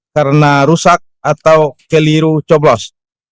karena rusak atau keliru coblos